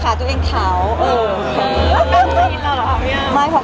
เพราะว่านอกจากแอปแล้ว